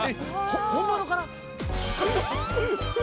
本物かな？